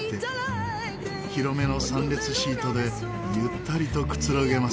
広めの３列シートでゆったりとくつろげます。